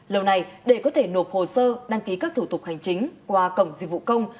lâu nay để có thể nộp hồ sơ đăng ký các thủ tục hành chính qua cổng dịch vụ công